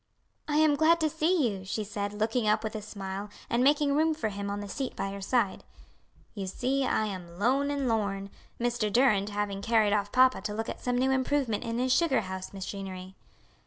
"I am glad to see you," she said, looking up with a smile and making room for him on the seat by her side. "You see I am 'lone and lorn,' Mr. Durand having carried off papa to look at some new improvement in his sugar house machinery."